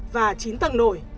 và chín tầng nổi